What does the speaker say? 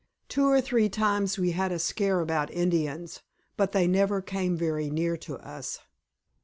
Two or three times we had a scare about Indians, but they never came very near to us.